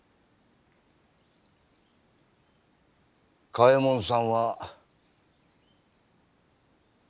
嘉右衛門さんは。